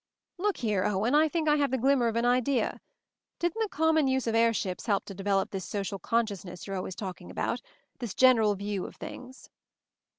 "Look here, Owen, I think I have the r glimmer of an idea. Didn't the common ' use of airships help to develop this social consciousness you're always talking about — this general view of things